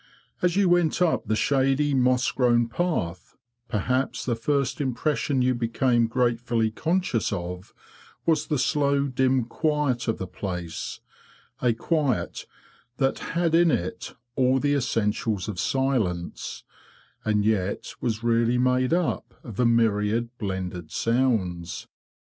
As you went up the shady moss grown path, perhaps the first impression you became gratefully conscious of was the slow dim quiet of the place—a quiet that had in it all the essentials of silence, and yet was really made up of a myriad blended sounds.